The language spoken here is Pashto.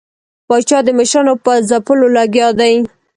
پاچا د مشرانو په ځپلو لګیا دی.